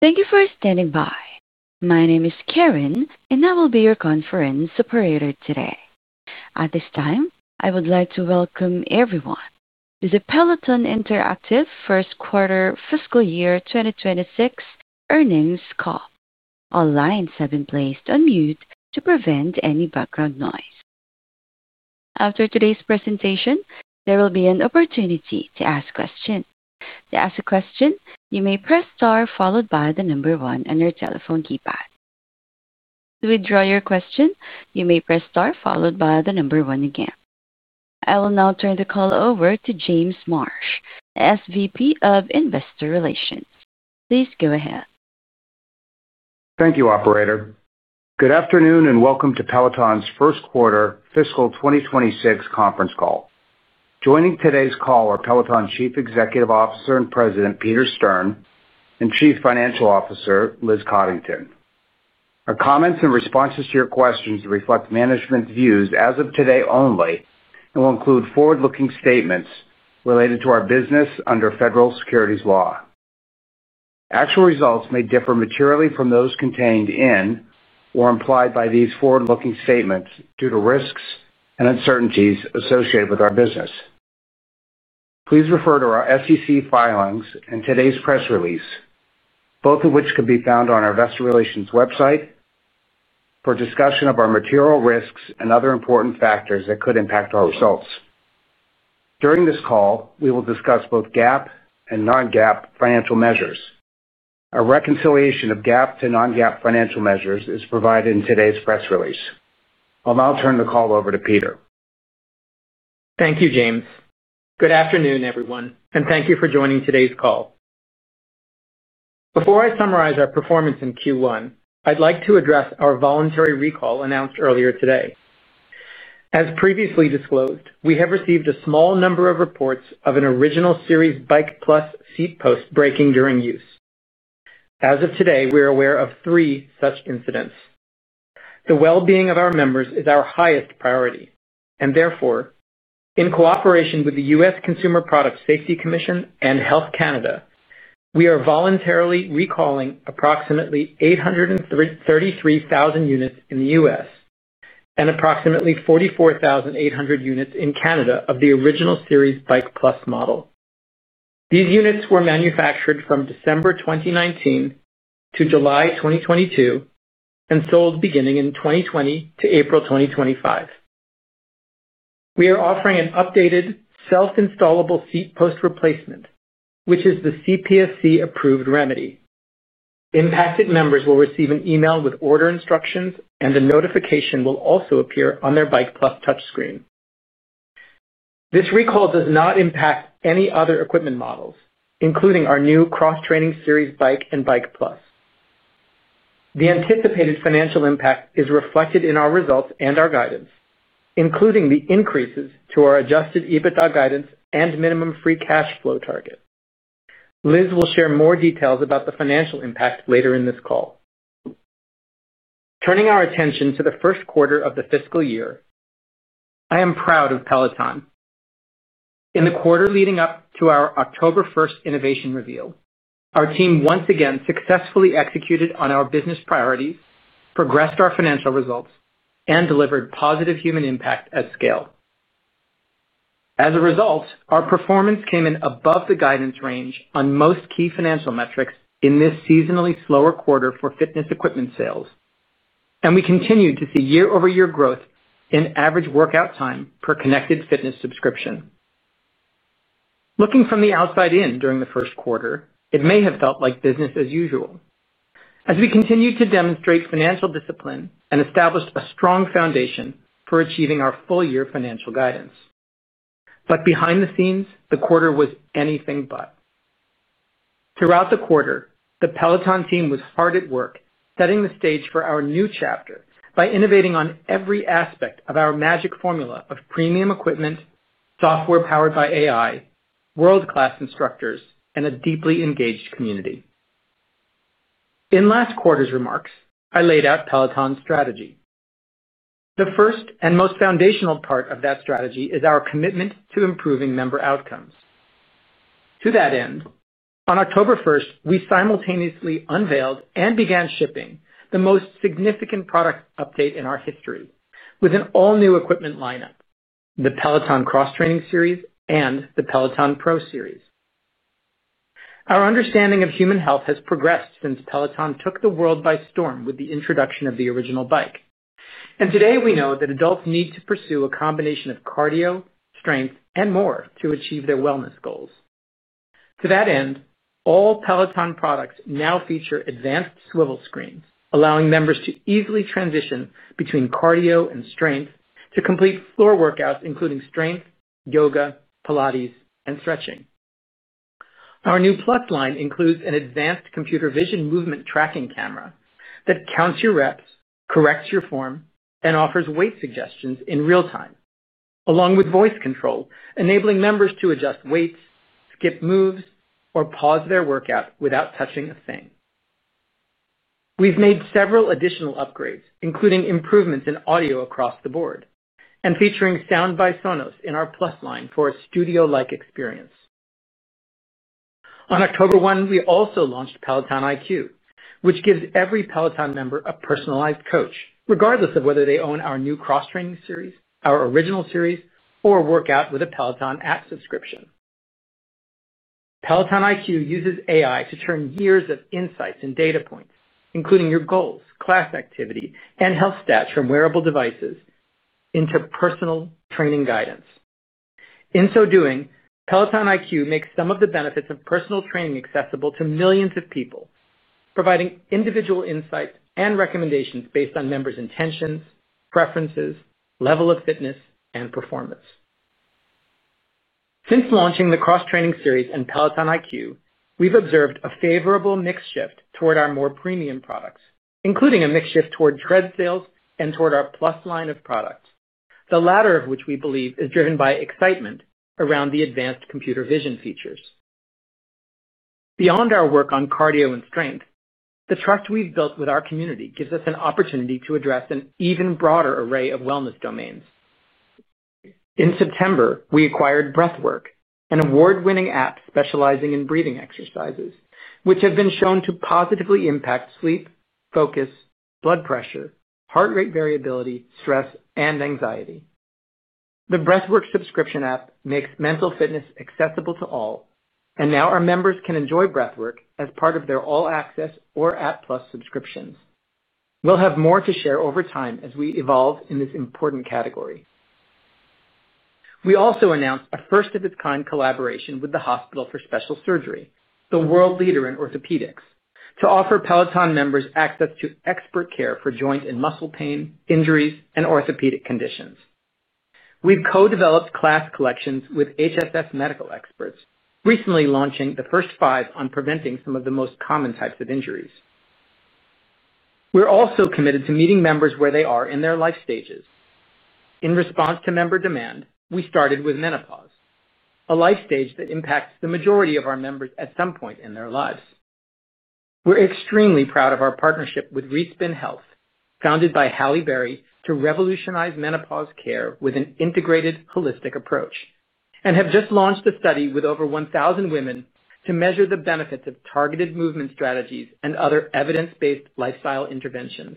Thank you for standing by. My name is Karen, and I will be your conference operator today. At this time, I would like to welcome everyone to the Peloton Interactive First Quarter Fiscal Year 2026 Earnings Call. All lines have been placed on mute to prevent any background noise. After today's presentation, there will be an opportunity to ask questions. To ask a question, you may press star followed by the number one on your telephone keypad. To withdraw your question, you may press star followed by the number one again. I will now turn the call over to James Marsh, SVP of Investor Relations. Please go ahead. Thank you, Operator. Good afternoon and welcome to Peloton's First Quarter Fiscal 2026 Conference Call. Joining today's call are Peloton Chief Executive Officer and President Peter Stern and Chief Financial Officer Liz Coddington. Our comments and responses to your questions reflect management's views as of today only and will include forward-looking statements related to our business under federal securities law. Actual results may differ materially from those contained in or implied by these forward-looking statements due to risks and uncertainties associated with our business. Please refer to our SEC filings and today's press release, both of which can be found on our Investor Relations website, for discussion of our material risks and other important factors that could impact our results. During this call, we will discuss both GAAP and non-GAAP financial measures. A reconciliation of GAAP to non-GAAP financial measures is provided in today's press release. I'll now turn the call over to Peter. Thank you, James. Good afternoon, everyone, and thank you for joining today's call. Before I summarize our performance in Q1, I'd like to address our voluntary recall announced earlier today. As previously disclosed, we have received a small number of reports of an original series Bike Plus seat post breaking during use. As of today, we're aware of three such incidents. The well-being of our members is our highest priority, and therefore, in cooperation with the US Consumer Product Safety Commission and Health Canada, we are voluntarily recalling approximately 833,000 units in the US and approximately 44,800 units in Canada of the original series Bike Plus model. These units were manufactured from December 2019 to July 2022 and sold beginning in 2020 to April 2025. We are offering an updated self-installable seat post replacement, which is the CPSC-approved remedy. Impacted members will receive an email with order instructions, and a notification will also appear on their Bike Plus touchscreen. This recall does not impact any other equipment models, including our new Cross Training Series Bike and Bike Plus. The anticipated financial impact is reflected in our results and our guidance, including the increases to our adjusted EBITDA guidance and minimum free cash flow target. Liz will share more details about the financial impact later in this call. Turning our attention to the first quarter of the fiscal year, I am proud of Peloton. In the quarter leading up to our October 1 innovation reveal, our team once again successfully executed on our business priorities, progressed our financial results, and delivered positive human impact at scale. As a result, our performance came in above the guidance range on most key financial metrics in this seasonally slower quarter for fitness equipment sales, and we continued to see year-over-year growth in average workout time per connected fitness subscription. Looking from the outside in during the first quarter, it may have felt like business as usual, as we continued to demonstrate financial discipline and established a strong foundation for achieving our full-year financial guidance. Behind the scenes, the quarter was anything but. Throughout the quarter, the Peloton team was hard at work setting the stage for our new chapter by innovating on every aspect of our magic formula of premium equipment, software powered by AI, world-class instructors, and a deeply engaged community. In last quarter's remarks, I laid out Peloton's strategy. The first and most foundational part of that strategy is our commitment to improving member outcomes. To that end, on October 1st, we simultaneously unveiled and began shipping the most significant product update in our history with an all-new equipment lineup: the Peloton Cross Training Series and the Peloton Pro Series. Our understanding of human health has progressed since Peloton took the world by storm with the introduction of the original bike, and today we know that adults need to pursue a combination of cardio, strength, and more to achieve their wellness goals. To that end, all Peloton products now feature advanced swivel screens, allowing members to easily transition between cardio and strength to complete floor workouts, including strength, yoga, Pilates, and stretching. Our new Plus line includes an advanced computer vision movement tracking camera that counts your reps, corrects your form, and offers weight suggestions in real time, along with voice control, enabling members to adjust weights, skip moves, or pause their workout without touching a thing. We've made several additional upgrades, including improvements in audio across the board and featuring sound by Sonos in our Plus line for a studio-like experience. On October 1, we also launched Peloton IQ, which gives every Peloton member a personalized coach, regardless of whether they own our new cross-training series, our original series, or work out with a Peloton app subscription. Peloton IQ uses AI to turn years of insights and data points, including your goals, class activity, and health stats from wearable devices, into personal training guidance. In so doing, Peloton IQ makes some of the benefits of personal training accessible to millions of people. Providing individual insights and recommendations based on members' intentions, preferences, level of fitness, and performance. Since launching the cross-training series and Peloton IQ, we've observed a favorable mix shift toward our more premium products, including a mix shift toward tread sales and toward our Plus line of products, the latter of which we believe is driven by excitement around the advanced computer vision features. Beyond our work on cardio and strength, the trust we've built with our community gives us an opportunity to address an even broader array of wellness domains. In September, we acquired Breathwork, an award-winning app specializing in breathing exercises, which have been shown to positively impact sleep, focus, blood pressure, heart rate variability, stress, and anxiety. The Breathwork subscription app makes mental fitness accessible to all, and now our members can enjoy Breathwork as part of their all-access or app plus subscriptions. We will have more to share over time as we evolve in this important category. We also announced a first-of-its-kind collaboration with the Hospital for Special Surgery, the world leader in orthopedics, to offer Peloton members access to expert care for joint and muscle pain, injuries, and orthopedic conditions. We have co-developed class collections with HSS medical experts, recently launching the first five on preventing some of the most common types of injuries. We are also committed to meeting members where they are in their life stages. In response to member demand, we started with menopause, a life stage that impacts the majority of our members at some point in their lives. We're extremely proud of our partnership with ReSpin Health, founded by Halle Berry, to revolutionize menopause care with an integrated, holistic approach, and have just launched a study with over 1,000 women to measure the benefits of targeted movement strategies and other evidence-based lifestyle interventions.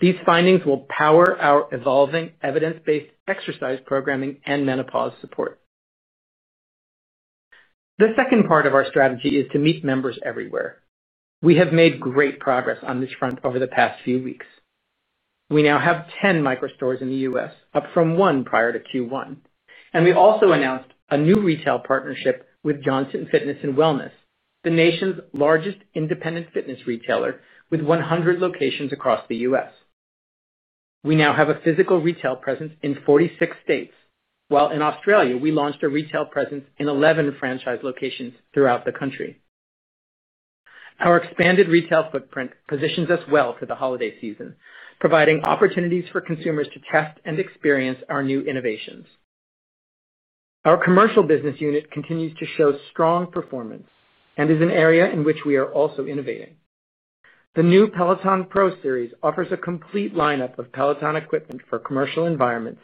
These findings will power our evolving evidence-based exercise programming and menopause support. The second part of our strategy is to meet members everywhere. We have made great progress on this front over the past few weeks. We now have 10 micro stores in the U.S., up from one prior to Q1, and we also announced a new retail partnership with Johnson Fitness and Wellness, the nation's largest independent fitness retailer with 100 locations across the U.S. We now have a physical retail presence in 46 states, while in Australia, we launched a retail presence in 11 franchise locations throughout the country. Our expanded retail footprint positions us well for the holiday season, providing opportunities for consumers to test and experience our new innovations. Our commercial business unit continues to show strong performance and is an area in which we are also innovating. The new Peloton Pro Series offers a complete lineup of Peloton equipment for commercial environments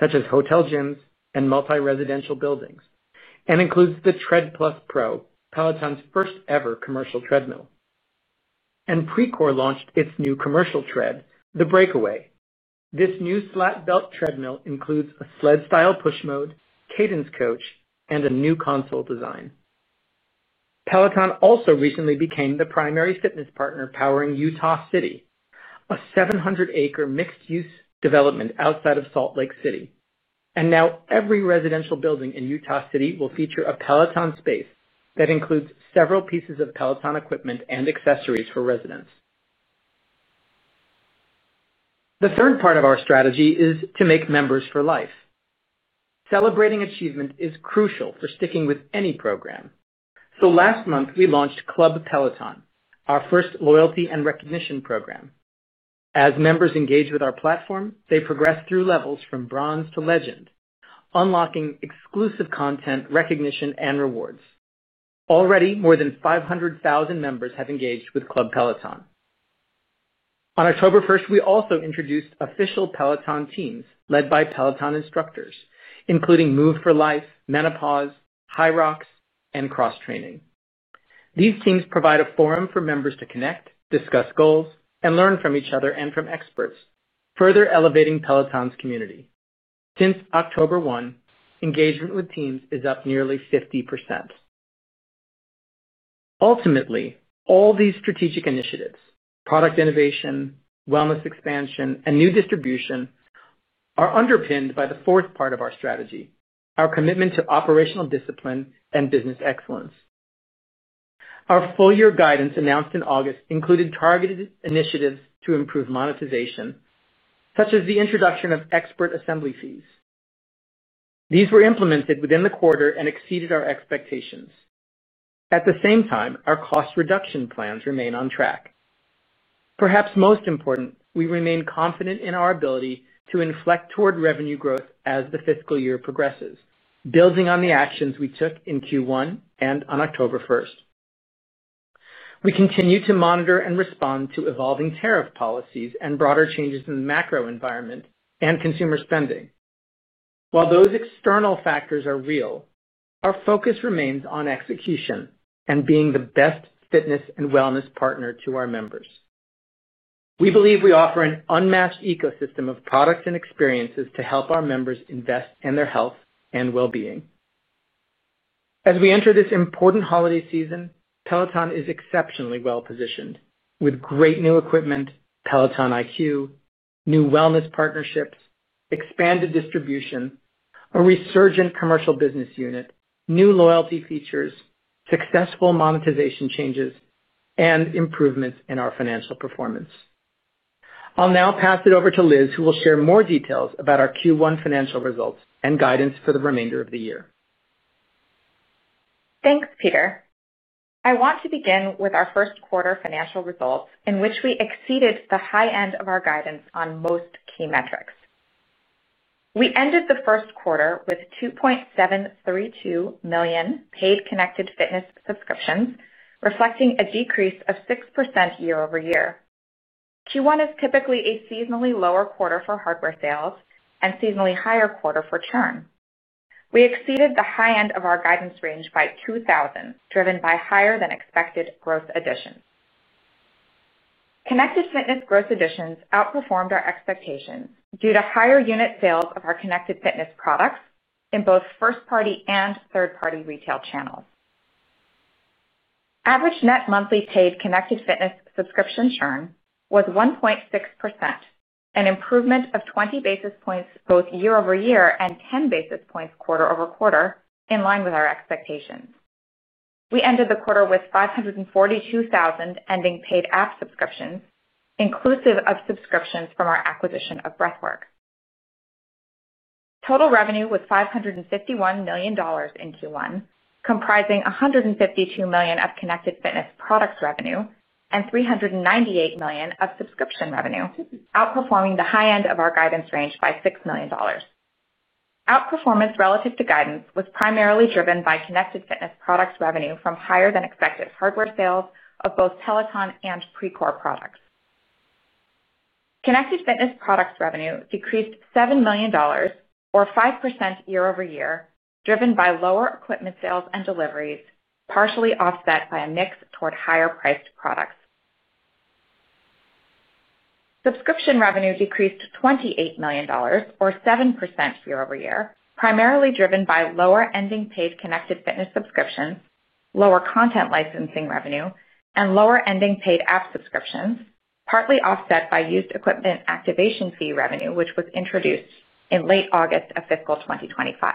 such as hotel gyms and multi-residential buildings and includes the Tread Plus Pro, Peloton's first-ever commercial treadmill. Precor launched its new commercial tread, the Breakaway. This new slack belt treadmill includes a sled-style push mode, cadence coach, and a new console design. Peloton also recently became the primary fitness partner powering Utah City, a 700-acre mixed-use development outside of Salt Lake City, and now every residential building in Utah City will feature a Peloton space that includes several pieces of Peloton equipment and accessories for residents. The third part of our strategy is to make members for life. Celebrating achievement is crucial for sticking with any program. Last month, we launched Club Peloton, our first loyalty and recognition program. As members engage with our platform, they progress through levels from bronze to legend, unlocking exclusive content, recognition, and rewards. Already, more than 500,000 members have engaged with Club Peloton. On October 1, we also introduced official Peloton teams led by Peloton instructors, including Move for Life, Menopause, High Rocks, and Cross Training. These teams provide a forum for members to connect, discuss goals, and learn from each other and from experts, further elevating Peloton's community. Since October 1, engagement with teams is up nearly 50%. Ultimately, all these strategic initiatives—product innovation, wellness expansion, and new distribution—are underpinned by the fourth part of our strategy: our commitment to operational discipline and business excellence. Our full-year guidance announced in August included targeted initiatives to improve monetization, such as the introduction of expert assembly fees. These were implemented within the quarter and exceeded our expectations. At the same time, our cost reduction plans remain on track. Perhaps most important, we remain confident in our ability to inflect toward revenue growth as the fiscal year progresses, building on the actions we took in Q1 and on October 1. We continue to monitor and respond to evolving tariff policies and broader changes in the macro environment and consumer spending. While those external factors are real, our focus remains on execution and being the best fitness and wellness partner to our members. We believe we offer an unmatched ecosystem of products and experiences to help our members invest in their health and well-being. As we enter this important holiday season, Peloton is exceptionally well-positioned, with great new equipment, Peloton IQ, new wellness partnerships, expanded distribution, a resurgent commercial business unit, new loyalty features, successful monetization changes, and improvements in our financial performance. I'll now pass it over to Liz, who will share more details about our Q1 financial results and guidance for the remainder of the year. Thanks, Peter. I want to begin with our first quarter financial results, in which we exceeded the high end of our guidance on most key metrics. We ended the first quarter with 2.732 million paid connected fitness subscriptions, reflecting a decrease of 6% year-over-year. Q1 is typically a seasonally lower quarter for hardware sales and a seasonally higher quarter for churn. We exceeded the high end of our guidance range by 2,000, driven by higher-than-expected growth additions. Connected fitness growth additions outperformed our expectations due to higher unit sales of our connected fitness products in both first-party and third-party retail channels. Average net monthly paid connected fitness subscription churn was 1.6%, an improvement of 20 basis points both year-over-year and 10 basis points quarter-over-quarter, in line with our expectations. We ended the quarter with 542,000 ending paid app subscriptions, inclusive of subscriptions from our acquisition of Breathwork. Total revenue was $551 million in Q1, comprising $152 million of connected fitness products revenue and $398 million of subscription revenue, outperforming the high end of our guidance range by $6 million. Outperformance relative to guidance was primarily driven by connected fitness products revenue from higher-than-expected hardware sales of both Peloton and Precor products. Connected fitness products revenue decreased $7 million, or 5% year-over-year, driven by lower equipment sales and deliveries, partially offset by a mix toward higher-priced products. Subscription revenue decreased $28 million, or 7% year-over-year, primarily driven by lower-ending paid connected fitness subscriptions, lower content licensing revenue, and lower-ending paid app subscriptions, partly offset by used equipment activation fee revenue, which was introduced in late August of fiscal 2025.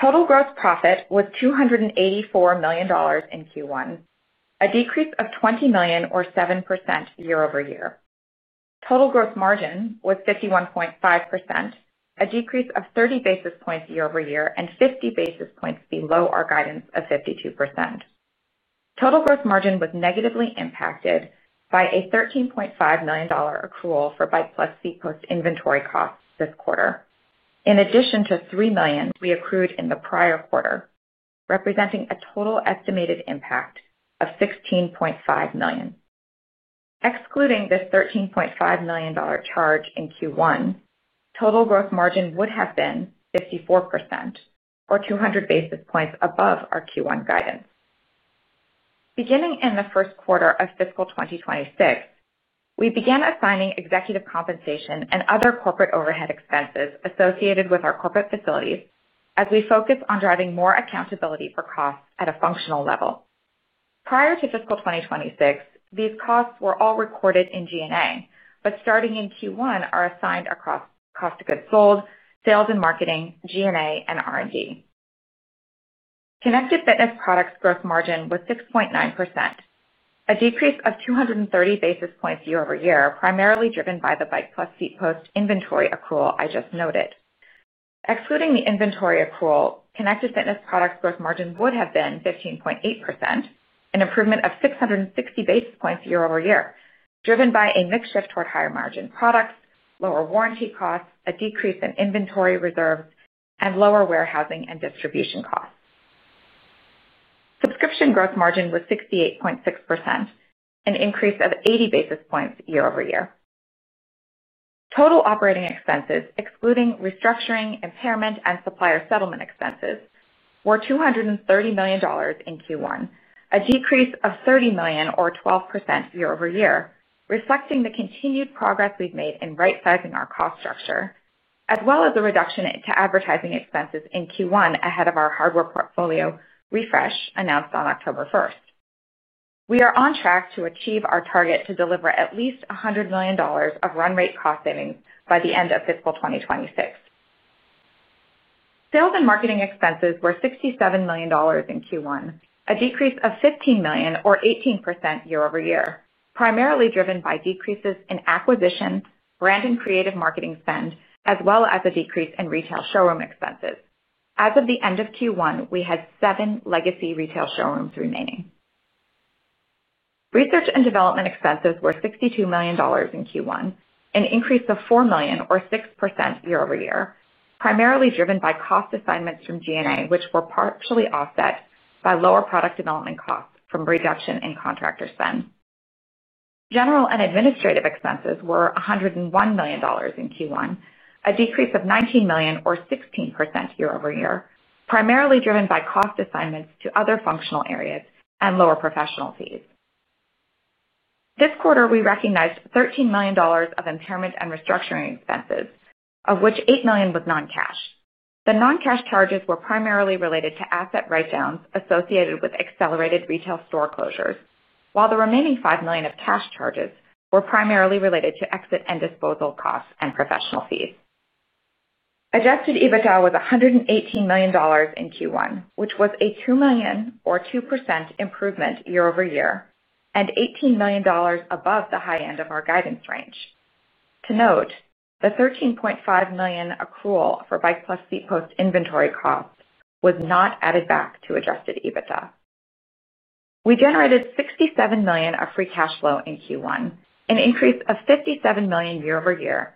Total gross profit was $284 million in Q1, a decrease of $20 million, or 7% year-over-year. Total gross margin was 51.5%, a decrease of 30 basis points year-over-year and 50 basis points below our guidance of 52%. Total gross margin was negatively impacted by a $13.5 million accrual for Bike Plus C-Post inventory costs this quarter, in addition to $3 million we accrued in the prior quarter, representing a total estimated impact of $16.5 million. Excluding this $13.5 million charge in Q1, total gross margin would have been 54%, or 200 basis points above our Q1 guidance. Beginning in the first quarter of fiscal 2026, we began assigning executive compensation and other corporate overhead expenses associated with our corporate facilities as we focus on driving more accountability for costs at a functional level. Prior to fiscal 2026, these costs were all recorded in G&A, but starting in Q1, they are assigned across cost of goods sold, sales and marketing, G&A, and R&D. Connected fitness products gross margin was 6.9%. A decrease of 230 basis points year-over-year, primarily driven by the Bike Plus seat post inventory accrual I just noted. Excluding the inventory accrual, connected fitness products gross margin would have been 15.8%, an improvement of 660 basis points year-over-year, driven by a mix shift toward higher margin products, lower warranty costs, a decrease in inventory reserves, and lower warehousing and distribution costs. Subscription gross margin was 68.6%, an increase of 80 basis points year-over-year. Total operating expenses, excluding restructuring, impairment, and supplier settlement expenses, were $230 million in Q1, a decrease of $30 million, or 12% year-over-year, reflecting the continued progress we've made in right-sizing our cost structure, as well as a reduction to advertising expenses in Q1 ahead of our hardware portfolio refresh announced on October 1st. We are on track to achieve our target to deliver at least $100 million of run rate cost savings by the end of fiscal 2026. Sales and marketing expenses were $67 million in Q1, a decrease of $15 million, or 18% year-over-year, primarily driven by decreases in acquisition, brand, and creative marketing spend, as well as a decrease in retail showroom expenses. As of the end of Q1, we had seven legacy retail showrooms remaining. Research and development expenses were $62 million in Q1, an increase of $4 million, or 6% year-over-year, primarily driven by cost assignments from G&A, which were partially offset by lower product development costs from reduction in contractor spend. General and administrative expenses were $101 million in Q1, a decrease of $19 million, or 16% year-over-year, primarily driven by cost assignments to other functional areas and lower professional fees. This quarter, we recognized $13 million of impairment and restructuring expenses, of which $8 million was non-cash. The non-cash charges were primarily related to asset write-downs associated with accelerated retail store closures, while the remaining $5 million of cash charges were primarily related to exit and disposal costs and professional fees. Adjusted EBITDA was $118 million in Q1, which was a $2 million, or 2% improvement year-over-year, and $18 million above the high end of our guidance range. To note, the $13.5 million accrual for Bike Plus C-Post inventory costs was not added back to adjusted EBITDA. We generated $67 million of free cash flow in Q1, an increase of $57 million year-over-year,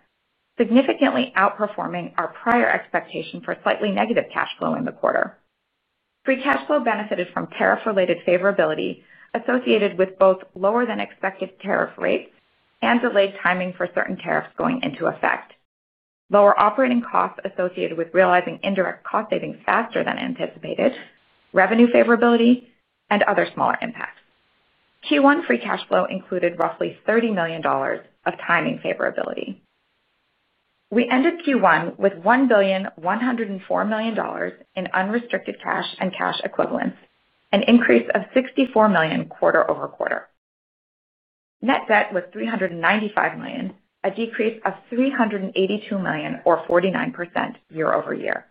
significantly outperforming our prior expectation for slightly negative cash flow in the quarter. Free cash flow benefited from tariff-related favorability associated with both lower-than-expected tariff rates and delayed timing for certain tariffs going into effect, lower operating costs associated with realizing indirect cost savings faster than anticipated, revenue favorability, and other smaller impacts. Q1 free cash flow included roughly $30 million of timing favorability. We ended Q1 with $1,104 million in unrestricted cash and cash equivalents, an increase of $64 million quarter-over-quarter. Net debt was $395 million, a decrease of $382 million, or 49% year-over-year.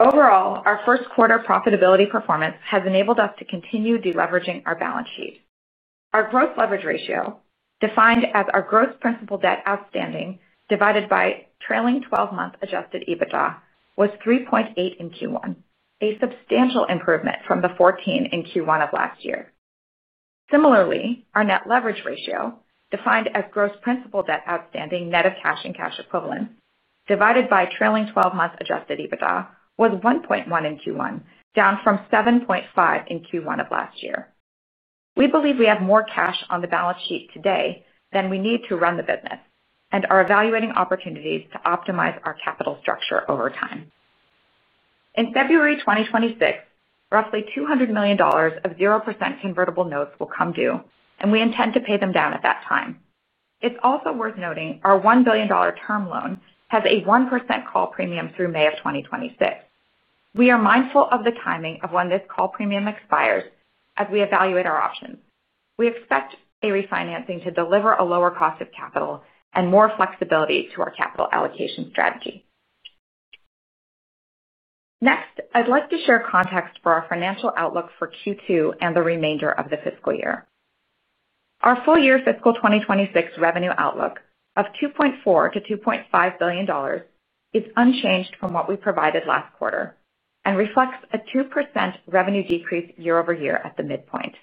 Overall, our first quarter profitability performance has enabled us to continue deleveraging our balance sheet. Our gross leverage ratio, defined as our gross principal debt outstanding divided by trailing 12-month adjusted EBITDA, was 3.8 in Q1, a substantial improvement from the 14 in Q1 of last year. Similarly, our net leverage ratio, defined as gross principal debt outstanding net of cash and cash equivalents divided by trailing 12-month adjusted EBITDA, was 1.1 in Q1, down from 7.5 in Q1 of last year. We believe we have more cash on the balance sheet today than we need to run the business and are evaluating opportunities to optimize our capital structure over time. In February 2026, roughly $200 million of 0% convertible notes will come due, and we intend to pay them down at that time. It's also worth noting our $1 billion term loan has a 1% call premium through May of 2026. We are mindful of the timing of when this call premium expires as we evaluate our options. We expect a refinancing to deliver a lower cost of capital and more flexibility to our capital allocation strategy. Next, I'd like to share context for our financial outlook for Q2 and the remainder of the fiscal year. Our full-year fiscal 2026 revenue outlook of $2.4 billion-$2.5 billion is unchanged from what we provided last quarter and reflects a 2% revenue decrease year-over-year at the midpoint.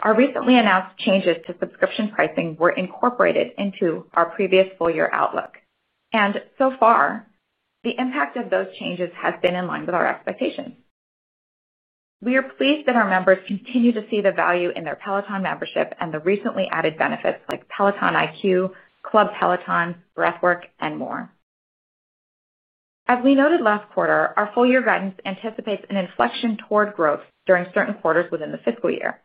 Our recently announced changes to subscription pricing were incorporated into our previous full-year outlook, and so far, the impact of those changes has been in line with our expectations. We are pleased that our members continue to see the value in their Peloton membership and the recently added benefits like Peloton IQ, Club Peloton, Breathwork, and more. As we noted last quarter, our full-year guidance anticipates an inflection toward growth during certain quarters within the fiscal year.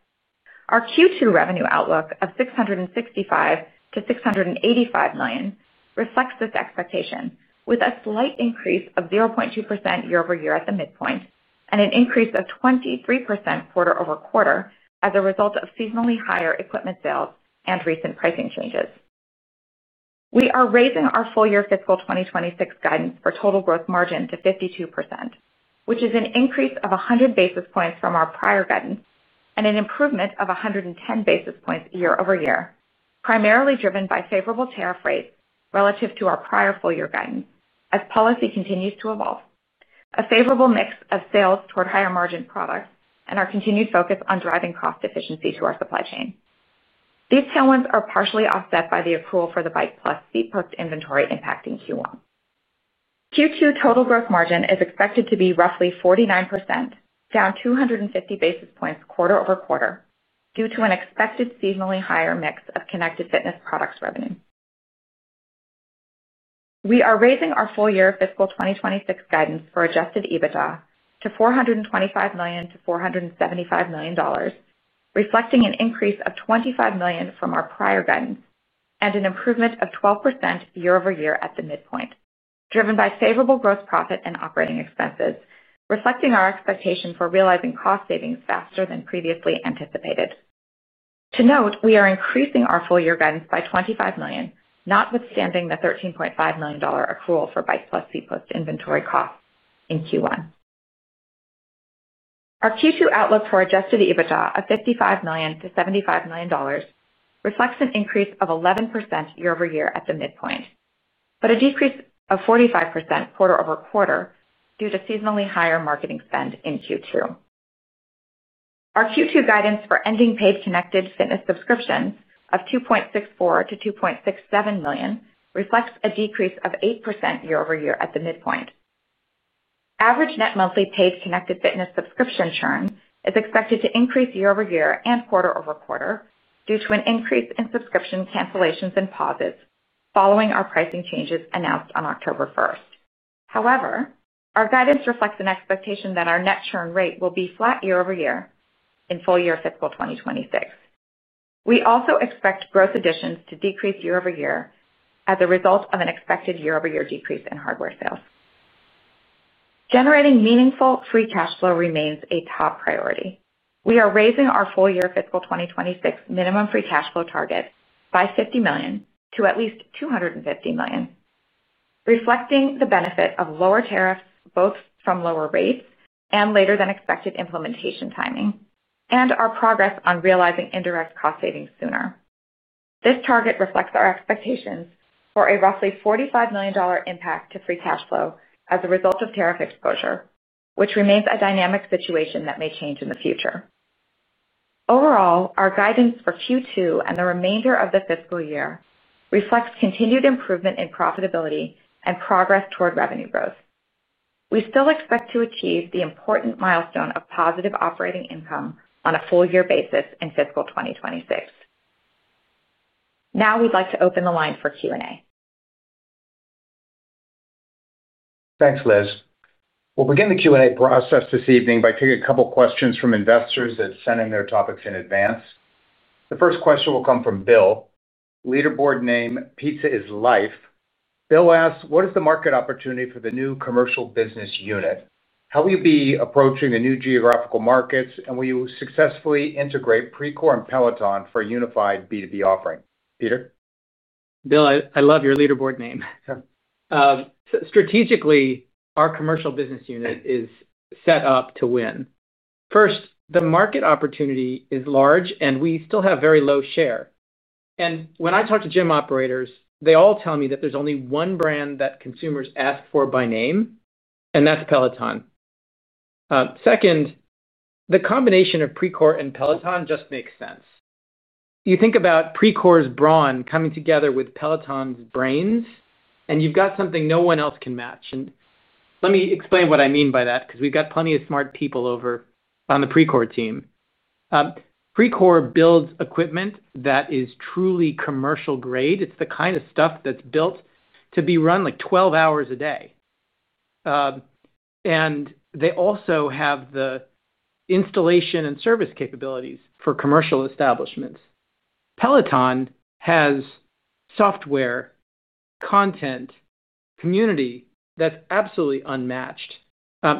Our Q2 revenue outlook of $665-$685 million reflects this expectation, with a slight increase of 0.2% year-over-year at the midpoint and an increase of 23% quarter-over-quarter as a result of seasonally higher equipment sales and recent pricing changes. We are raising our full-year fiscal 2026 guidance for total gross margin to 52%, which is an increase of 100 basis points from our prior guidance and an improvement of 110 basis points year-over-year, primarily driven by favorable tariff rates relative to our prior full-year guidance as policy continues to evolve, a favorable mix of sales toward higher-margin products, and our continued focus on driving cost efficiency to our supply chain. These tailwinds are partially offset by the accrual for the Bike Plus C-Post inventory impacting Q1. Q2 total gross margin is expected to be roughly 49%, down 250 basis points quarter-over-quarter due to an expected seasonally higher mix of connected fitness products revenue. We are raising our full-year fiscal 2026 guidance for adjusted EBITDA to $425 million-$475 million, reflecting an increase of $25 million from our prior guidance and an improvement of 12% year-over-year at the midpoint, driven by favorable gross profit and operating expenses, reflecting our expectation for realizing cost savings faster than previously anticipated. To note, we are increasing our full-year guidance by $25 million, notwithstanding the $13.5 million accrual for Bike Plus C-Post inventory costs in Q1. Our Q2 outlook for adjusted EBITDA of $55 million-$75 million reflects an increase of 11% year-over-year at the midpoint, but a decrease of 45% quarter-over-quarter due to seasonally higher marketing spend in Q2. Our Q2 guidance for ending paid connected fitness subscriptions of $2.64-$2.67 million reflects a decrease of 8% year-over-year at the midpoint. Average net monthly paid connected fitness subscription churn is expected to increase year-over-year and quarter-over-quarter due to an increase in subscription cancellations and pauses following our pricing changes announced on October 1st. However, our guidance reflects an expectation that our net churn rate will be flat year-over-year in full-year fiscal 2026. We also expect gross additions to decrease year-over-year as a result of an expected year-over-year decrease in hardware sales. Generating meaningful free cash flow remains a top priority. We are raising our full-year fiscal 2026 minimum free cash flow target by $50 million to at least $250 million, reflecting the benefit of lower tariffs, both from lower rates and later-than-expected implementation timing, and our progress on realizing indirect cost savings sooner. This target reflects our expectations for a roughly $45 million impact to free cash flow as a result of tariff exposure, which remains a dynamic situation that may change in the future. Overall, our guidance for Q2 and the remainder of the fiscal year reflects continued improvement in profitability and progress toward revenue growth. We still expect to achieve the important milestone of positive operating income on a full-year basis in fiscal 2026. Now we'd like to open the line for Q&A. Thanks, Liz. We'll begin the Q&A process this evening by taking a couple of questions from investors that sent in their topics in advance. The first question will come from Bill. Leaderboard name Pizza is Life. Bill asks, "What is the market opportunity for the new commercial business unit? How will you be approaching the new geographical markets, and will you successfully integrate Precor and Peloton for a unified B2B offering? Peter? Bill, I love your leaderboard name. Strategically, our commercial business unit is set up to win. First, the market opportunity is large, and we still have very low share. When I talk to gym operators, they all tell me that there is only one brand that consumers ask for by name, and that is Peloton. Second, the combination of Precor and Peloton just makes sense. You think about Precor's brawn coming together with Peloton's brains, and you have got something no one else can match. Let me explain what I mean by that because we have got plenty of smart people on the Precor team. Precor builds equipment that is truly commercial grade. It is the kind of stuff that is built to be run like 12 hours a day. They also have the installation and service capabilities for commercial establishments. Peloton has software, content, community that's absolutely unmatched.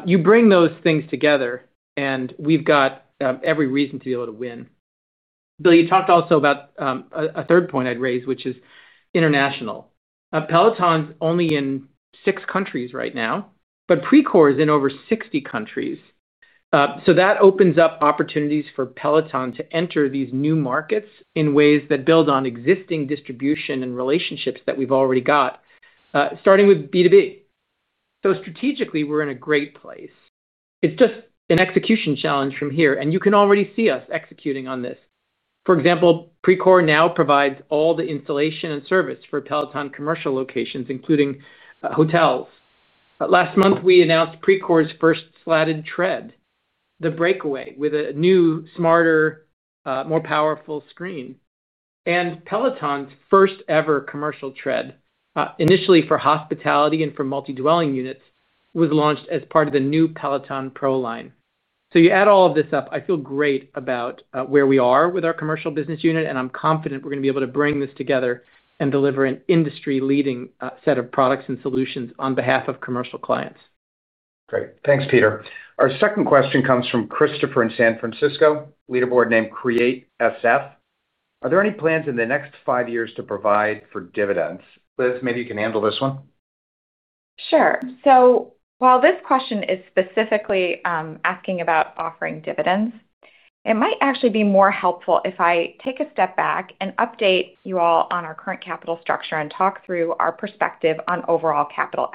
You bring those things together, and we've got every reason to be able to win. Bill, you talked also about a third point I'd raise, which is international. Peloton's only in six countries right now, but Precor is in over 60 countries. That opens up opportunities for Peloton to enter these new markets in ways that build on existing distribution and relationships that we've already got, starting with B2B. Strategically, we're in a great place. It's just an execution challenge from here, and you can already see us executing on this. For example, Precor now provides all the installation and service for Peloton commercial locations, including hotels. Last month, we announced Precor's first slatted tread, the Breakaway, with a new, smarter, more powerful screen. Peloton's first-ever commercial tread, initially for hospitality and for multi-dwelling units, was launched as part of the new Peloton Pro line. You add all of this up, I feel great about where we are with our commercial business unit, and I'm confident we're going to be able to bring this together and deliver an industry-leading set of products and solutions on behalf of commercial clients. Great. Thanks, Peter. Our second question comes from Christopher in San Francisco, leaderboard name CreateSF. Are there any plans in the next five years to provide for dividends? Liz, maybe you can handle this one. Sure. While this question is specifically asking about offering dividends, it might actually be more helpful if I take a step back and update you all on our current capital structure and talk through our perspective on overall capital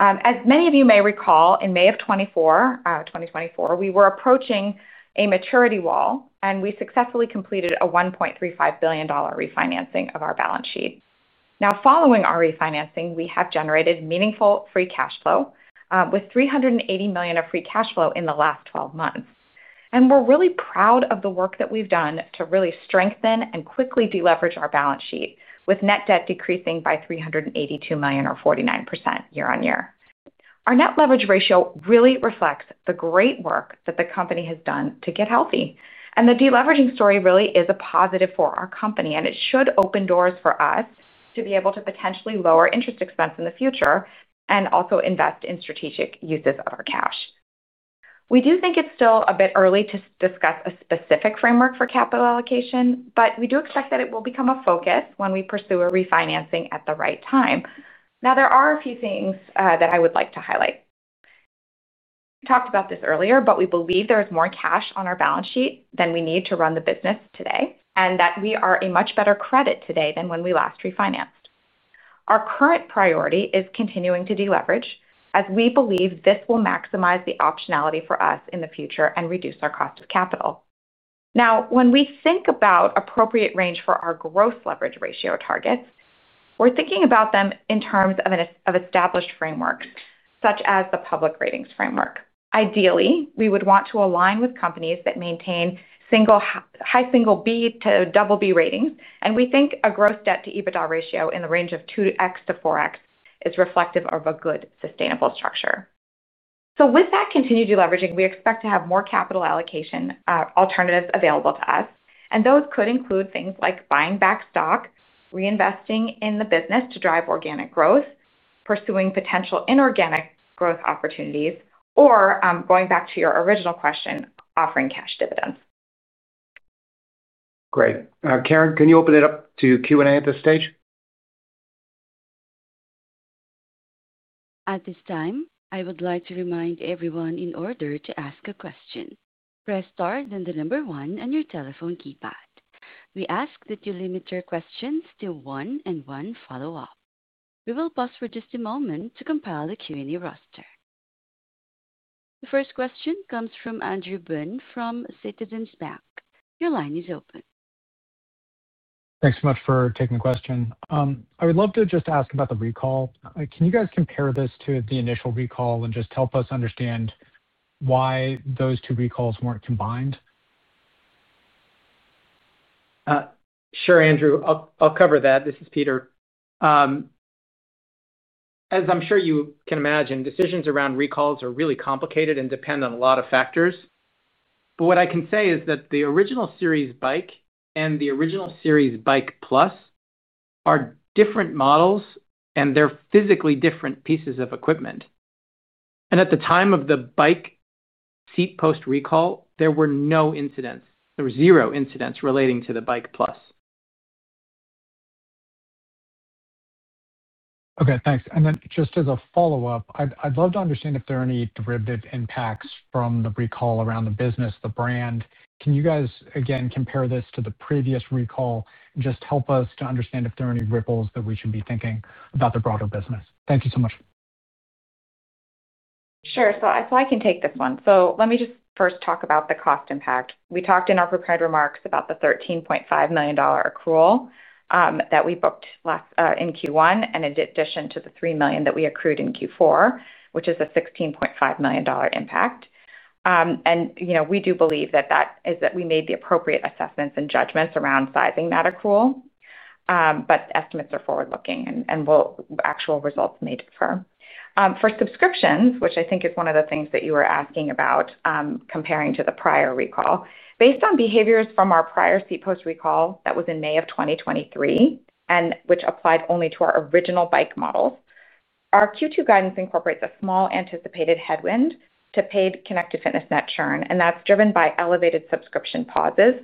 allocation strategy. As many of you may recall, in May of 2024, we were approaching a maturity wall, and we successfully completed a $1.35 billion refinancing of our balance sheet. Now, following our refinancing, we have generated meaningful free cash flow with $380 million of free cash flow in the last 12 months. We are really proud of the work that we have done to really strengthen and quickly deleverage our balance sheet, with net debt decreasing by $382 million, or 49% year-on-year. Our net leverage ratio really reflects the great work that the company has done to get healthy. The deleveraging story really is a positive for our company, and it should open doors for us to be able to potentially lower interest expense in the future and also invest in strategic uses of our cash. We do think it's still a bit early to discuss a specific framework for capital allocation, but we do expect that it will become a focus when we pursue a refinancing at the right time. Now, there are a few things that I would like to highlight. We talked about this earlier, but we believe there is more cash on our balance sheet than we need to run the business today and that we are a much better credit today than when we last refinanced. Our current priority is continuing to deleverage, as we believe this will maximize the optionality for us in the future and reduce our cost of capital. Now, when we think about appropriate range for our gross leverage ratio targets, we're thinking about them in terms of established frameworks, such as the public ratings framework. Ideally, we would want to align with companies that maintain high single B to double B ratings, and we think a gross debt-to-EBITDA ratio in the range of 2x-4x is reflective of a good, sustainable structure. With that continued deleveraging, we expect to have more capital allocation alternatives available to us, and those could include things like buying back stock, reinvesting in the business to drive organic growth, pursuing potential inorganic growth opportunities, or going back to your original question, offering cash dividends. Great. Karen, can you open it up to Q&A at this stage? At this time, I would like to remind everyone in order to ask a question, press star and then the number one on your telephone keypad. We ask that you limit your questions to one and one follow-up. We will pause for just a moment to compile the Q&A roster. The first question comes from Andrew Bunn from Citizens Bank. Your line is open. Thanks so much for taking the question. I would love to just ask about the recall. Can you guys compare this to the initial recall and just help us understand. Why those two recalls were not combined? Sure, Andrew. I'll cover that. This is Peter. As I'm sure you can imagine, decisions around recalls are really complicated and depend on a lot of factors. What I can say is that the original series Bike and the original series Bike Plus are different models, and they are physically different pieces of equipment. At the time of the Bike Seat Post recall, there were no incidents. There were zero incidents relating to the Bike Plus. Okay. Thanks. Just as a follow-up, I'd love to understand if there are any derivative impacts from the recall around the business, the brand. Can you guys, again, compare this to the previous recall and just help us to understand if there are any ripples that we should be thinking about the broader business? Thank you so much. Sure. I can take this one. Let me just first talk about the cost impact. We talked in our prepared remarks about the $13.5 million accrual that we booked in Q1 and in addition to the $3 million that we accrued in Q4, which is a $16.5 million impact. We do believe that we made the appropriate assessments and judgments around sizing that accrual. Estimates are forward-looking, and actual results may differ. For subscriptions, which I think is one of the things that you were asking about. Comparing to the prior recall, based on behaviors from our prior Seat Post recall that was in May of 2023 and which applied only to our original Bike models, our Q2 guidance incorporates a small anticipated headwind to paid connected fitness net churn, and that's driven by elevated subscription pauses.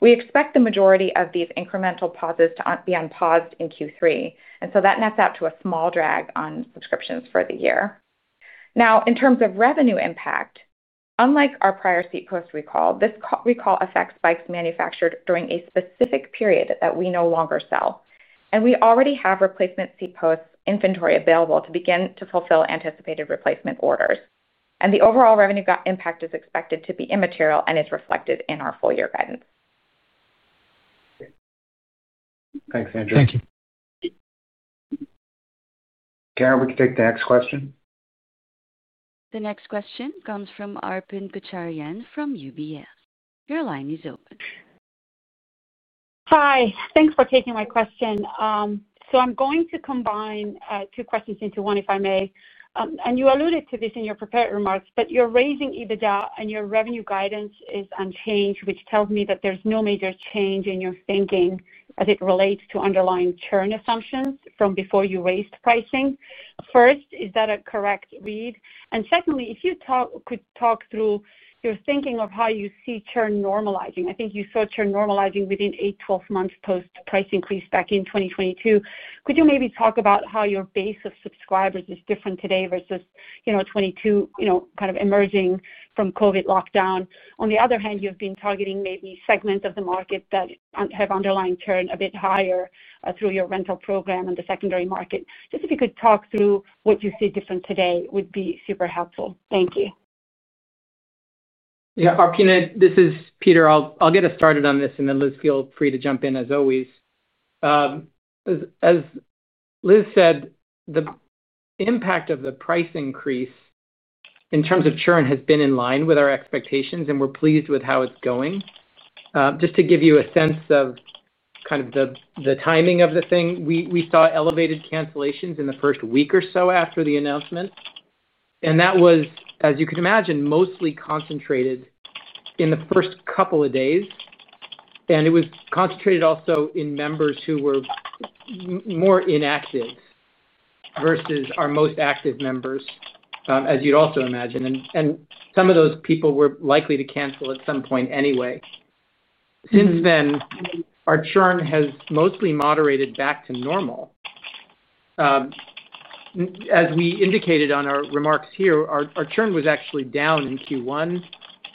We expect the majority of these incremental pauses to be unpaused in Q3. That nets out to a small drag on subscriptions for the year. Now, in terms of revenue impact, unlike our prior Seat Post recall, this recall affects Bikes manufactured during a specific period that we no longer sell. We already have replacement Seat Post inventory available to begin to fulfill anticipated replacement orders. The overall revenue impact is expected to be immaterial and is reflected in our full-year guidance. Thanks, Andrew. Thank you. Karen, we can take the next question. The next question comes from Arpine Kocharyan from UBS. Your line is open. Hi. Thanks for taking my question. I'm going to combine two questions into one, if I may. You alluded to this in your prepared remarks, but you're raising EBITDA, and your revenue guidance is unchanged, which tells me that there's no major change in your thinking as it relates to underlying churn assumptions from before you raised pricing. First, is that a correct read? Secondly, if you could talk through your thinking of how you see churn normalizing. I think you saw churn normalizing within 8-12 months post-price increase back in 2022. Could you maybe talk about how your base of subscribers is different today versus 2022, kind of emerging from COVID lockdown? On the other hand, you've been targeting maybe segments of the market that have underlying churn a bit higher through your rental program and the secondary market. Just if you could talk through what you see different today would be super helpful. Thank you. Yeah. Arpine, this is Peter. I'll get us started on this, and then Liz, feel free to jump in as always. As Liz said, the impact of the price increase in terms of churn has been in line with our expectations, and we're pleased with how it's going. Just to give you a sense of kind of the timing of the thing, we saw elevated cancellations in the first week or so after the announcement. That was, as you can imagine, mostly concentrated in the first couple of days. It was concentrated also in members who were more inactive. Versus our most active members, as you'd also imagine. Some of those people were likely to cancel at some point anyway. Since then, our churn has mostly moderated back to normal. As we indicated on our remarks here, our churn was actually down in Q1.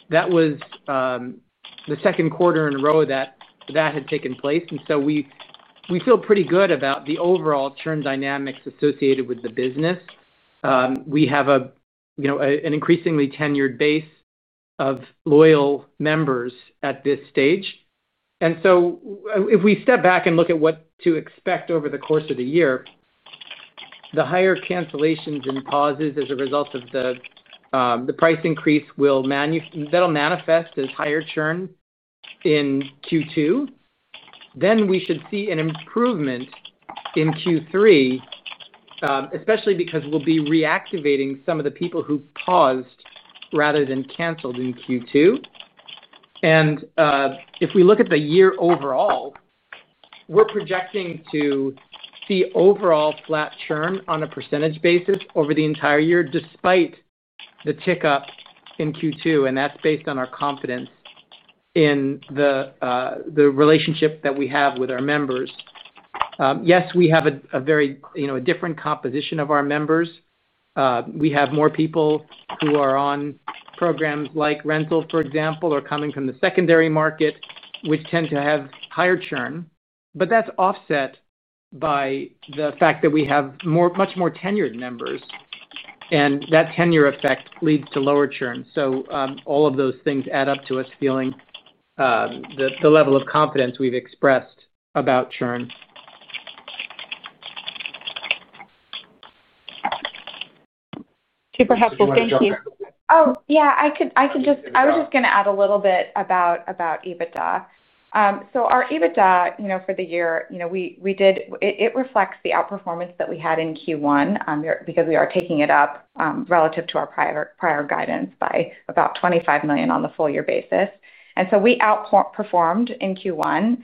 That was the second quarter in a row that had taken place. We feel pretty good about the overall churn dynamics associated with the business. We have an increasingly tenured base of loyal members at this stage. If we step back and look at what to expect over the course of the year, the higher cancellations and pauses as a result of the price increase will manifest as higher churn in Q2. We should see an improvement in Q3, especially because we'll be reactivating some of the people who paused rather than canceled in Q2. If we look at the year overall, we're projecting to see overall flat churn on a % basis over the entire year, despite the tick up in Q2. That's based on our confidence in the relationship that we have with our members. Yes, we have a very different composition of our members. We have more people who are on programs like rental, for example, or coming from the secondary market, which tend to have higher churn. That's offset by the fact that we have much more tenured members, and that tenure effect leads to lower churn. All of those things add up to us feeling the level of confidence we've expressed about churn. Super helpful. Thank you. Oh, yeah, I was just going to add a little bit about EBITDA. Our EBITDA for the year reflects the outperformance that we had in Q1 because we are taking it up relative to our prior guidance by about $25 million on the full-year basis. We outperformed in Q1.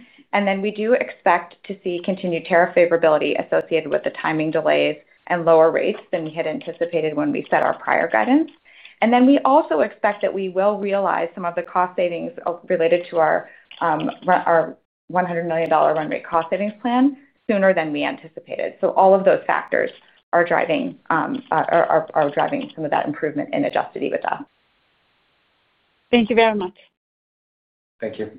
We do expect to see continued tariff favorability associated with the timing delays and lower rates than we had anticipated when we set our prior guidance. We also expect that we will realize some of the cost savings related to our $100 million run rate cost savings plan sooner than we anticipated. All of those factors are driving some of that improvement in adjusted EBITDA. Thank you very much. Thank you.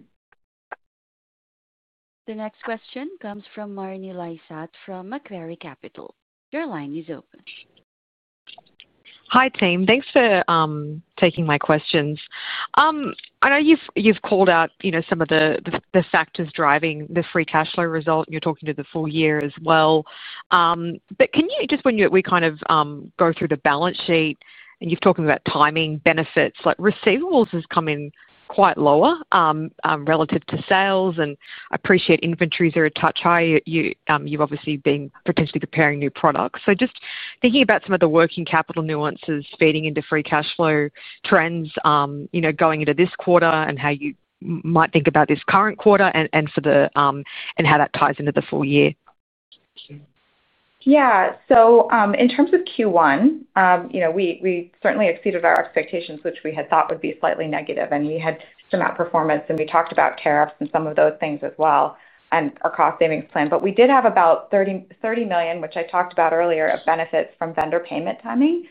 The next question comes from Marni Lysatt from McCrary Capital. Your line is open. Hi, team. Thanks for taking my questions. I know you've called out some of the factors driving the free cash flow result. You're talking to the full year as well. Just when we kind of go through the balance sheet and you've talked about timing, benefits, receivables have come in quite lower relative to sales. I appreciate inventories are a touch high. You've obviously been potentially preparing new products. Just thinking about some of the working capital nuances feeding into free cash flow trends going into this quarter and how you might think about this current quarter and how that ties into the full year. Yeah. In terms of Q1, we certainly exceeded our expectations, which we had thought would be slightly negative. We had some outperformance, and we talked about tariffs and some of those things as well and our cost savings plan. We did have about $30 million, which I talked about earlier, of benefits from vendor payment timing.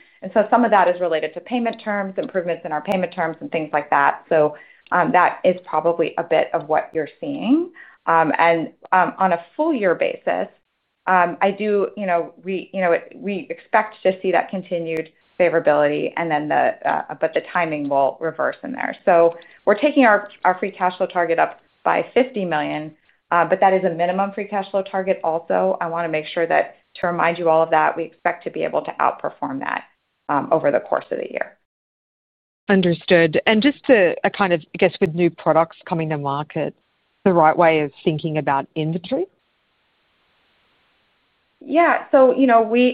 Some of that is related to payment terms, improvements in our payment terms, and things like that. That is probably a bit of what you're seeing. On a full-year basis, I do. We expect to see that continued favorability, but the timing will reverse in there. We're taking our free cash flow target up by $50 million, but that is a minimum free cash flow target also. I want to make sure to remind you all of that, we expect to be able to outperform that over the course of the year. Understood. Just to kind of, I guess, with new products coming to market, the right way of thinking about inventory? Yeah. We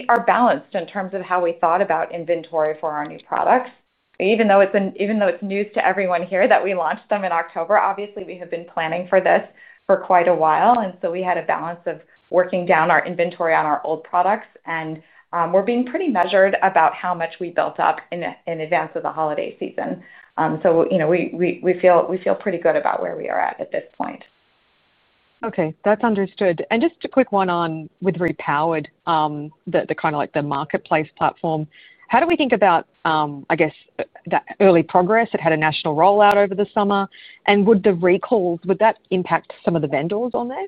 are balanced in terms of how we thought about inventory for our new products. Even though it's news to everyone here that we launched them in October, obviously, we have been planning for this for quite a while. We had a balance of working down our inventory on our old products. We are being pretty measured about how much we built up in advance of the holiday season. We feel pretty good about where we are at at this point. Okay. That's understood. Just a quick one with Repowered, kind of like the marketplace platform. How do we think about, I guess, that early progress? It had a national rollout over the summer. Would the recalls, would that impact some of the vendors on there?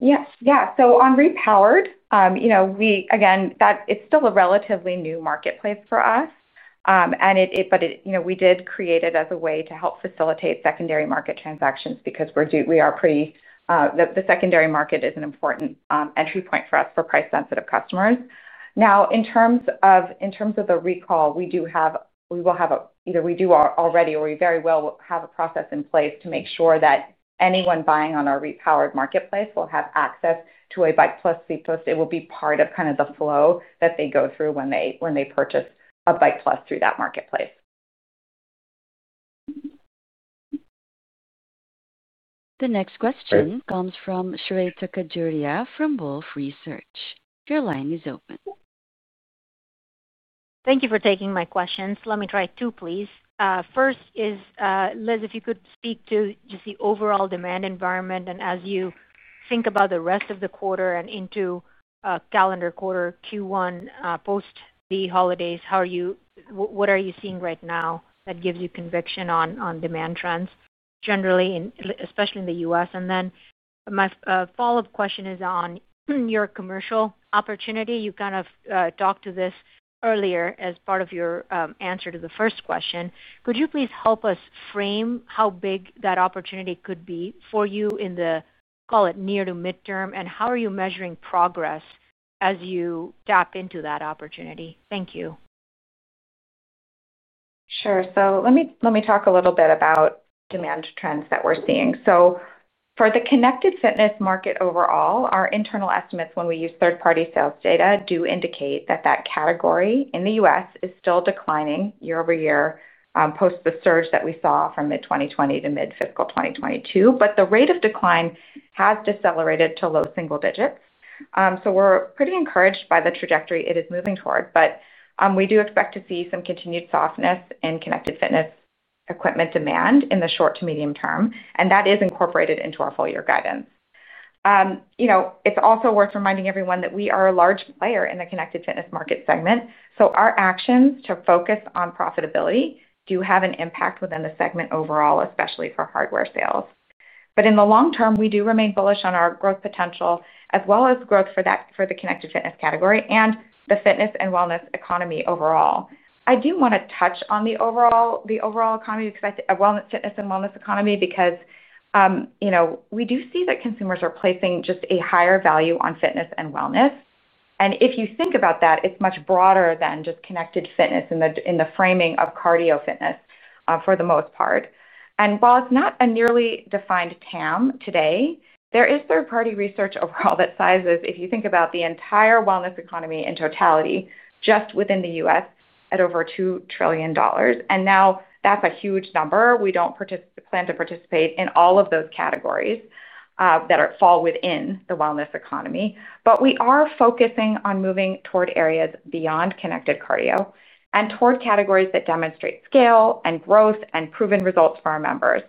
Yes. Yeah. On Repowered, again, it's still a relatively new marketplace for us. We did create it as a way to help facilitate secondary market transactions because we are pretty sure the secondary market is an important entry point for us for price-sensitive customers. Now, in terms of the recall, we will have, either we do already or we very well have, a process in place to make sure that anyone buying on our Repowered marketplace will have access to a Bike Plus seat post. It will be part of the flow that they go through when they purchase a Bike Plus through that marketplace. The next question comes from Shreya Tukkaduriya from Wolfe Research. Your line is open. Thank you for taking my questions. Let me try two, please. First is, Liz, if you could speak to just the overall demand environment and as you think about the rest of the quarter and into. Calendar quarter Q1 post the holidays, what are you seeing right now that gives you conviction on demand trends, generally, especially in the U.S.? My follow-up question is on your commercial opportunity. You kind of talked to this earlier as part of your answer to the first question. Could you please help us frame how big that opportunity could be for you in the, call it, near to midterm, and how are you measuring progress as you tap into that opportunity? Thank you. Sure. Let me talk a little bit about demand trends that we're seeing. For the connected fitness market overall, our internal estimates, when we use third-party sales data, do indicate that that category in the U.S. is still declining year over year post the surge that we saw from mid-2020 to mid-fiscal 2022. The rate of decline has decelerated to low single digits. We are pretty encouraged by the trajectory it is moving toward. We do expect to see some continued softness in connected fitness equipment demand in the short to medium term, and that is incorporated into our full-year guidance. It is also worth reminding everyone that we are a large player in the connected fitness market segment. Our actions to focus on profitability do have an impact within the segment overall, especially for hardware sales. In the long term, we do remain bullish on our growth potential as well as growth for the connected fitness category and the fitness and wellness economy overall. I do want to touch on the overall wellness, fitness, and wellness economy because we do see that consumers are placing just a higher value on fitness and wellness. If you think about that, it's much broader than just connected fitness in the framing of cardio fitness for the most part. While it's not a nearly defined TAM today, there is third-party research overall that sizes, if you think about the entire wellness economy in totality, just within the U.S. at over $2 trillion. That's a huge number. We don't plan to participate in all of those categories that fall within the wellness economy. We are focusing on moving toward areas beyond connected cardio and toward categories that demonstrate scale and growth and proven results for our members.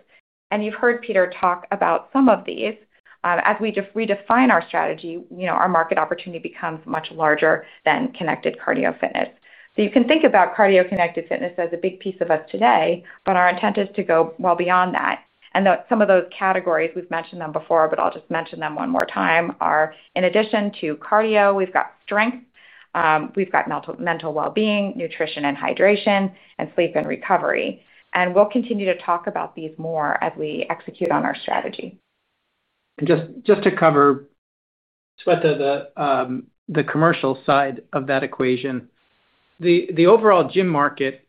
You've heard Peter talk about some of these. As we redefine our strategy, our market opportunity becomes much larger than connected cardio fitness. You can think about cardio connected fitness as a big piece of us today, but our intent is to go well beyond that. Some of those categories, we've mentioned them before, but I'll just mention them one more time, are in addition to cardio, we've got strength, we've got mental well-being, nutrition and hydration, and sleep and recovery. We'll continue to talk about these more as we execute on our strategy. Just to cover the commercial side of that equation, the overall gym market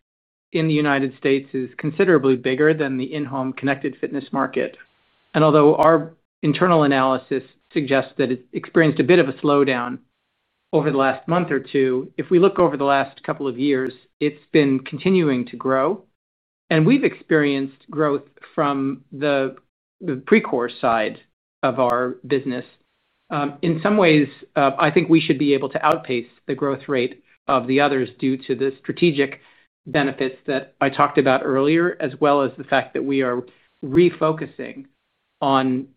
in the United States is considerably bigger than the in-home connected fitness market. Although our internal analysis suggests that it experienced a bit of a slowdown over the last month or two, if we look over the last couple of years, it's been continuing to grow. We've experienced growth from the Precor side of our business. In some ways, I think we should be able to outpace the growth rate of the others due to the strategic benefits that I talked about earlier, as well as the fact that we are refocusing on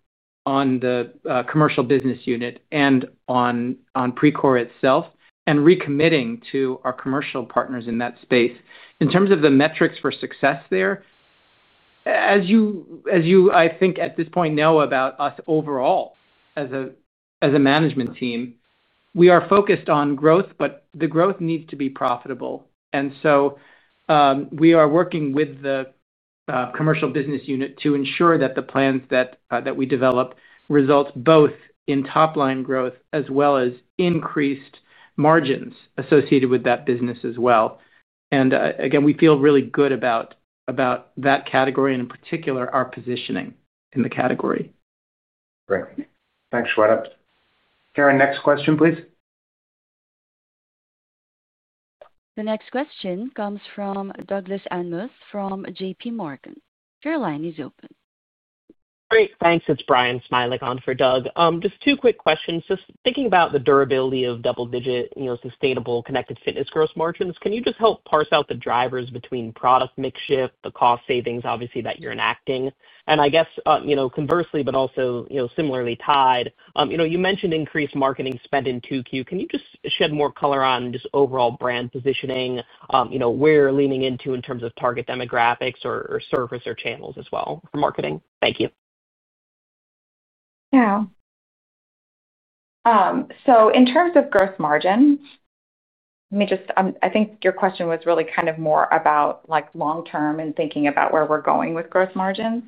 the commercial business unit and on Precor itself and recommitting to our commercial partners in that space. In terms of the metrics for success there, as you, I think, at this point know about us overall as a management team, we are focused on growth, but the growth needs to be profitable. We are working with the commercial business unit to ensure that the plans that we develop result both in top-line growth as well as increased margins associated with that business as well. Again, we feel really good about that category and in particular our positioning in the category. Great. Thanks, Shweta. Karen, next question, please. The next question comes from Douglas Anmuth from JP Morgan. Your line is open. Great. Thanks. It's Brian Smileycon for Doug. Just two quick questions. Just thinking about the durability of double-digit sustainable connected fitness gross margins, can you just help parse out the drivers between product mix shift, the cost savings, obviously, that you're enacting? I guess, conversely, but also similarly tied, you mentioned increased marketing spend in Q2. Can you just shed more color on just overall brand positioning? Where you're leaning into in terms of target demographics or service or channels as well for marketing? Thank you. Yeah. So in terms of gross margins, I think your question was really kind of more about long-term and thinking about where we're going with gross margins.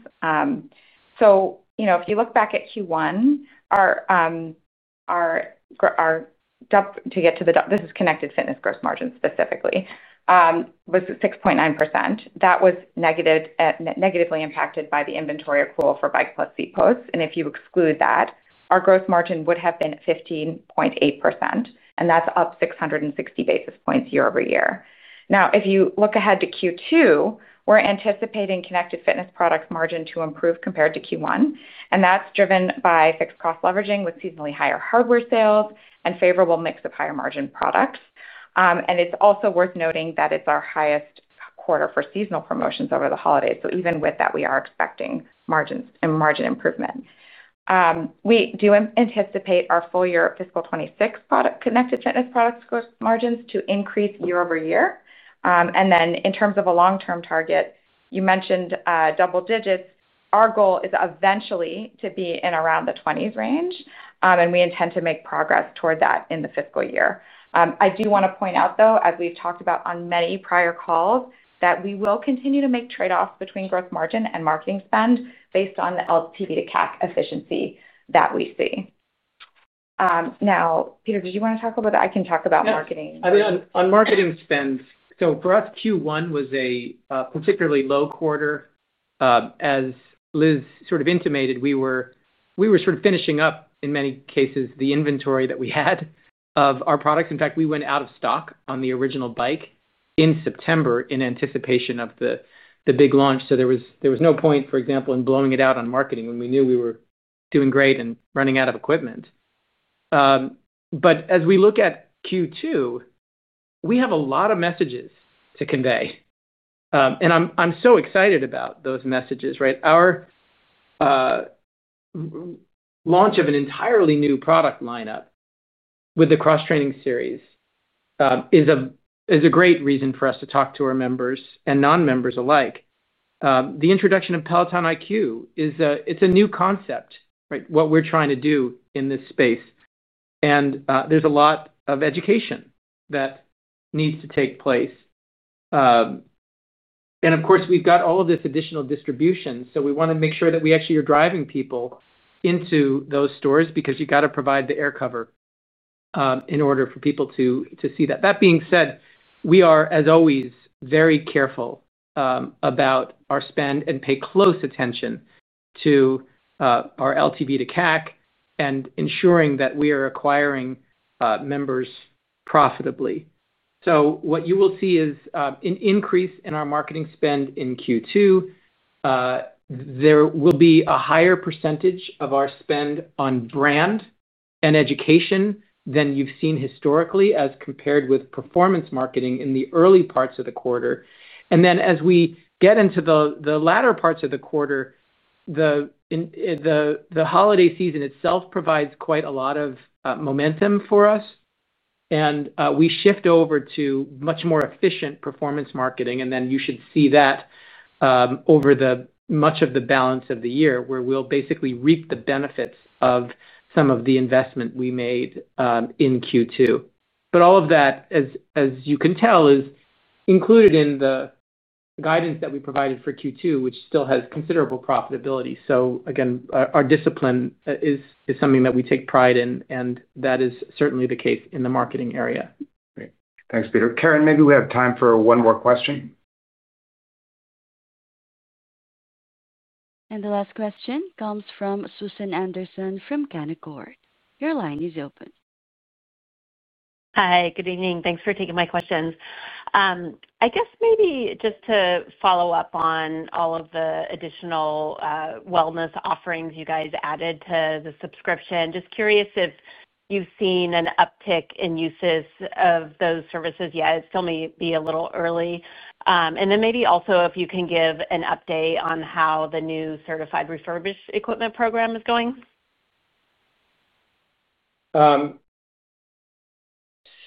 If you look back at Q1, our—to get to the—this is connected fitness gross margin specifically—was 6.9%. That was negatively impacted by the inventory accrual for Bike Plus seat posts. If you exclude that, our gross margin would have been 15.8%. That is up 660 basis points year over year. If you look ahead to Q2, we are anticipating connected fitness products' margin to improve compared to Q1. That is driven by fixed cost leveraging with seasonally higher hardware sales and favorable mix of higher-margin products. It is also worth noting that it is our highest quarter for seasonal promotions over the holidays. Even with that, we are expecting margin improvement. We do anticipate our full-year fiscal 2026 connected fitness products' gross margins to increase year over year. In terms of a long-term target, you mentioned double digits. Our goal is eventually to be in around the 20s range. We intend to make progress toward that in the fiscal year. I do want to point out, though, as we've talked about on many prior calls, that we will continue to make trade-offs between gross margin and marketing spend based on the LTV to CAC efficiency that we see. Now, Peter, did you want to talk a little bit? I can talk about marketing. Yeah. I mean, on marketing spend, for us, Q1 was a particularly low quarter. As Liz sort of intimated, we were sort of finishing up, in many cases, the inventory that we had of our products. In fact, we went out of stock on the original bike in September in anticipation of the big launch. There was no point, for example, in blowing it out on marketing when we knew we were doing great and running out of equipment. As we look at Q2, we have a lot of messages to convey. I'm so excited about those messages, right? Our launch of an entirely new product lineup with the Cross Training Series is a great reason for us to talk to our members and non-members alike. The introduction of Peloton IQ, it's a new concept, right, what we're trying to do in this space. There's a lot of education that needs to take place. Of course, we've got all of this additional distribution. We want to make sure that we actually are driving people into those stores because you've got to provide the air cover in order for people to see that. That being said, we are, as always, very careful about our spend and pay close attention to our LTV to CAC and ensuring that we are acquiring members profitably. What you will see is an increase in our marketing spend in Q2. There will be a higher percentage of our spend on brand and education than you've seen historically as compared with performance marketing in the early parts of the quarter. Then as we get into the latter parts of the quarter, the holiday season itself provides quite a lot of momentum for us, and we shift over to much more efficient performance marketing. You should see that over much of the balance of the year where we'll basically reap the benefits of some of the investment we made in Q2. All of that, as you can tell, is included in the guidance that we provided for Q2, which still has considerable profitability. Again, our discipline is something that we take pride in, and that is certainly the case in the marketing area. Great. Thanks, Peter. Karen, maybe we have time for one more question. The last question comes from Susan Anderson from Canaccord. Your line is open. Hi. Good evening. Thanks for taking my questions. I guess maybe just to follow up on all of the additional wellness offerings you guys added to the subscription, just curious if you've seen an uptick in uses of those services yet. It's still maybe a little early. Also, if you can give an update on how the new certified refurbished equipment program is going.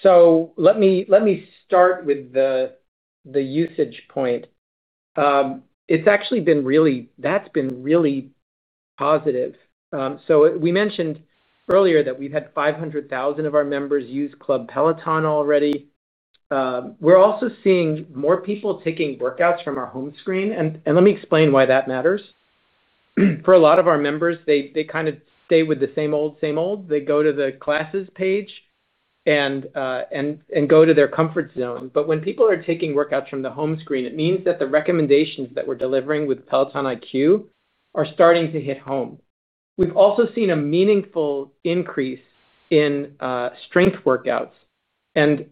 Let me start with the usage point. It's actually been really—that's been really positive. We mentioned earlier that we've had 500,000 of our members use Club Peloton already. We're also seeing more people taking workouts from our home screen. Let me explain why that matters. For a lot of our members, they kind of stay with the same old, same old. They go to the classes page and go to their comfort zone. When people are taking workouts from the home screen, it means that the recommendations that we're delivering with Peloton IQ are starting to hit home. We've also seen a meaningful increase in strength workouts.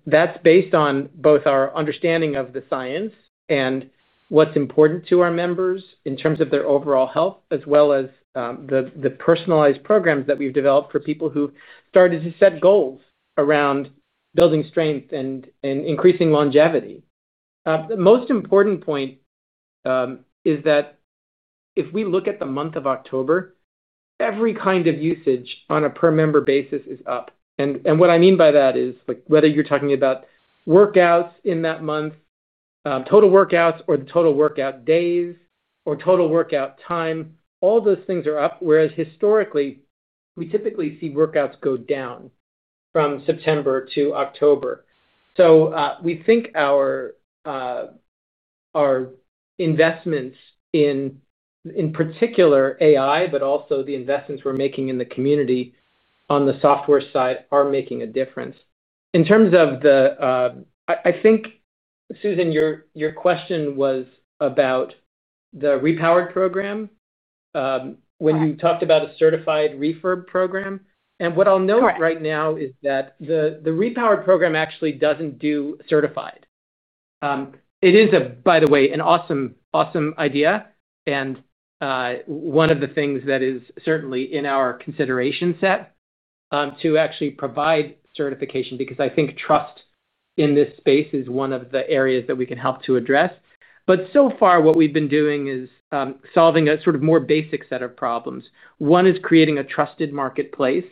That's based on both our understanding of the science and what's important to our members in terms of their overall health, as well as the personalized programs that we've developed for people who started to set goals around building strength and increasing longevity. The most important point is that if we look at the month of October, every kind of usage on a per-member basis is up. What I mean by that is whether you're talking about workouts in that month, total workouts, or the total workout days, or total workout time, all those things are up. Whereas historically, we typically see workouts go down from September to October. We think our investments in particular AI, but also the investments we're making in the community on the software side, are making a difference. In terms of the—I think, Susan, your question was about the Repowered program. When you talked about a certified refurb program, what I'll note right now is that the Repowered program actually doesn't do certified. It is, by the way, an awesome idea. One of the things that is certainly in our consideration set is to actually provide certification because I think trust in this space is one of the areas that we can help to address. So far, what we've been doing is solving a sort of more basic set of problems. One is creating a trusted marketplace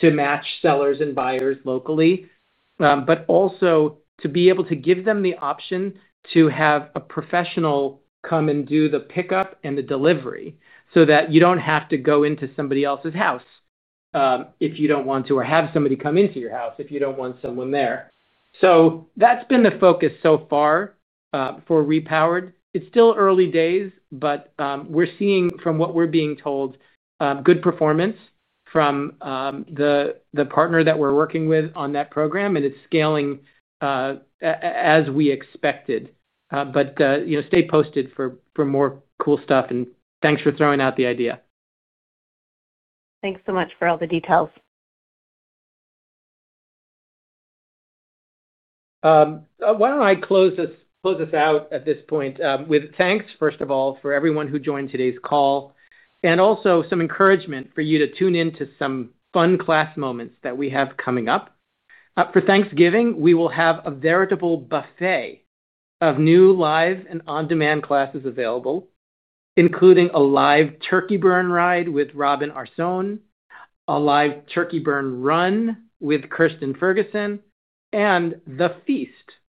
to match sellers and buyers locally, but also to be able to give them the option to have a professional come and do the pickup and the delivery so that you do not have to go into somebody else's house if you do not want to, or have somebody come into your house if you do not want someone there. That has been the focus so far for Repowered. It is still early days, but we are seeing, from what we are being told, good performance from the partner that we are working with on that program. It is scaling as we expected. Stay posted for more cool stuff. Thanks for throwing out the idea. Thanks so much for all the details. Why don't I close us out at this point with thanks, first of all, for everyone who joined today's call, and also some encouragement for you to tune into some fun class moments that we have coming up. For Thanksgiving, we will have a veritable buffet of new live and on-demand classes available. Including a live turkey burn ride with Robin Arzón, a live turkey burn run with Kirsten Ferguson, and the Feast,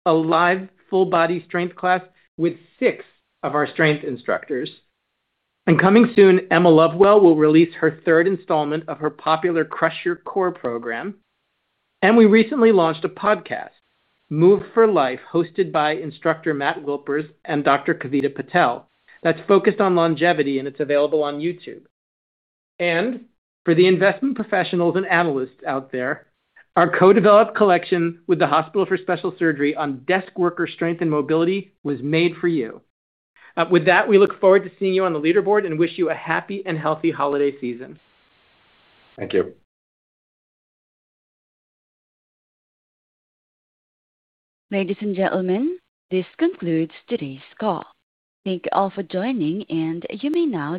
a live full-body strength class with six of our strength instructors. Coming soon, Emma Lovewell will release her third installment of her popular Crush Your Core program. We recently launched a podcast, Move for Life, hosted by instructor Matt Wilpers and Dr. Kavita Patel, that's focused on longevity, and it's available on YouTube. For the investment professionals and analysts out there, our co-developed collection with the Hospital for Special Surgery on desk worker strength and mobility was made for you. With that, we look forward to seeing you on the leaderboard and wish you a happy and healthy holiday season. Thank you. Ladies and gentlemen, this concludes today's call. Thank you all for joining, and you may now.